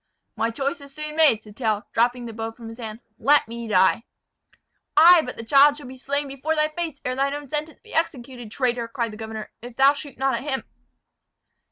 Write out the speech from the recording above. "My choice is soon made," said Tell, dropping the bow from his hand. "Let me die!" "Ay, but the child shall be slain before thy face ere thine own sentence be executed, traitor!" cried the governor, "if thou shoot not at him."